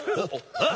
あっ。